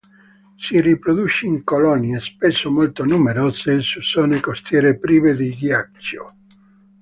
Si riproduce in colonie, spesso molto numerose, su zone costiere prive di ghiaccio.